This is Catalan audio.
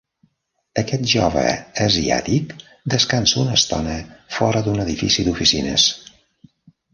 Aquest jove asiàtic descansa una estona fora d'un edifici d'oficines.